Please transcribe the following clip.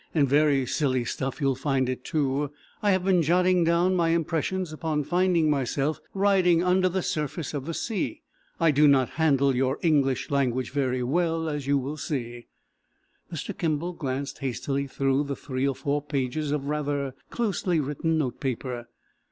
"And very silly stuff you'll find it, too. I have been jotting down my impressions upon finding myself riding under the surface of the sea. I do not handle your English language very well, as you will see." Mr. Kimball glanced hastily through the three or four pages of rather closely written note paper.